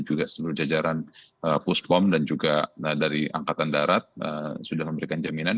ada pengalaman tni dan juga seluruh jajaran puspom dan juga dari angkatan darat sudah memberikan jaminan